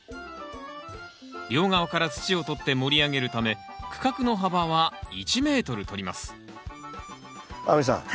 両側から土を取って盛り上げるため区画の幅は１ｍとります亜美さん